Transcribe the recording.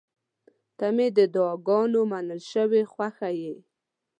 • ته مې د دعاګانو منل شوې خوښه یې.